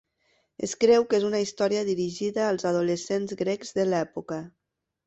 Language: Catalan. Es creu que és una història dirigida als adolescents grecs de l'època.